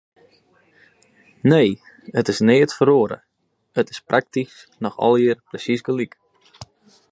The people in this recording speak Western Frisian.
Nee, it is neat feroare, it is praktysk noch allegear persiis gelyk.